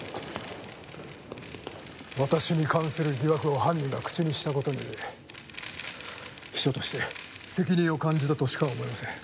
私に関する疑惑を犯人が口にした事に秘書として責任を感じたとしか思えません。